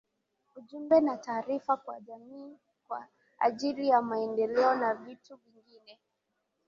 ujumbe na taarifa kwa jamii kwa ajili ya maendeleo na vitu vingine